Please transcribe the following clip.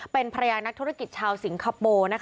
เป็นภรรยานักธุรกิจชาวสิงคโปร์